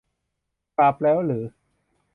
กลับแล้วรึ